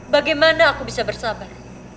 bagaimana aku bisa bersabar